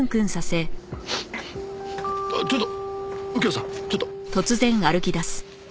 あっちょっと右京さんちょっと。